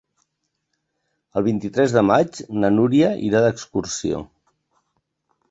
El vint-i-tres de maig na Núria irà d'excursió.